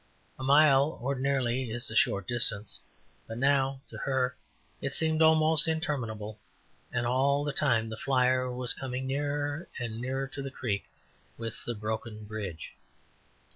A mile, ordinarily, is a short distance, but now, to her, it seemed almost interminable; and all the time the flyer was coming nearer and nearer to the creek with the broken bridge.